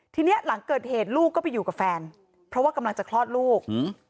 ทีนี้หลังเกิดเหตุลูกก็ไปอยู่กับแฟนเพราะว่ากำลังจะคลอดลูก